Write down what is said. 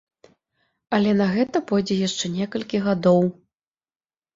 Але на гэта пойдзе яшчэ некалькі гадоў.